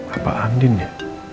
apa andin ya